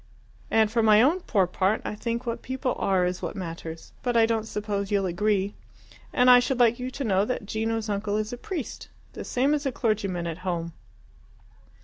And for my own poor part, I think what people are is what matters, but I don't suppose you'll agree. And I should like you to know that Gino's uncle is a priest the same as a clergyman at home."